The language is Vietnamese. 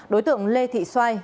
đối tượng lê thị xoay